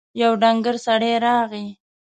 يو ډنګر سړی راغی.